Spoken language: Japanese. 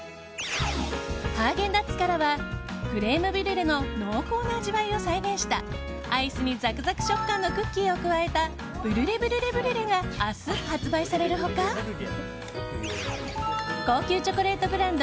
ハーゲンダッツからはクレームブリュレの濃厚な味わいを再現したアイスにザクザク食感のクッキーを加えたブリュレブリュレブリュレが明日、発売される他高級チョコレートブランド